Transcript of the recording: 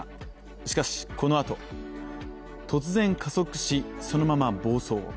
しかし、このあと突然加速しそのまま暴走。